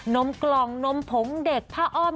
มกล่องนมผงเด็กผ้าอ้อม